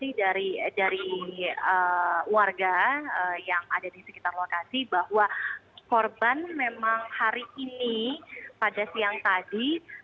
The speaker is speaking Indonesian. informasi dari warga yang ada di sekitar lokasi bahwa korban memang hari ini pada siang tadi